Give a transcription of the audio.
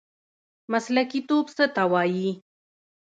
مسلکي توب څه ته وایي؟